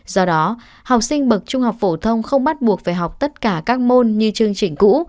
do đó học sinh bậc trung học phổ thông không bắt buộc phải học tất cả các môn như chương trình cũ